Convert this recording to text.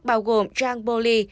bao gồm zhang boli